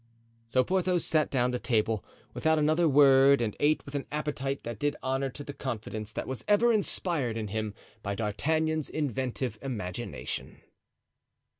So Porthos sat down to table without another word and ate with an appetite that did honor to the confidence that was ever inspired in him by D'Artagnan's inventive imagination.